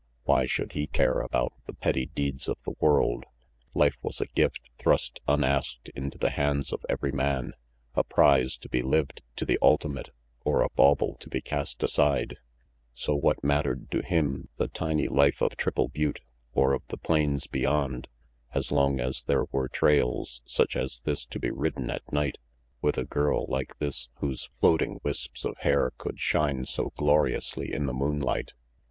Why should he care about the petty deeds of the world? Life was a gift thrust unasked into the hands of every man, a prize to be lived to the ultimate or a bauble to be cast aside; so what mattered to him the tiny life of Triple Butte or of the plains beyond, as long as there were trails such as this to be ridden at night, with a girl like this whose floating wisps of hair could shine so gloriously in the moonlight?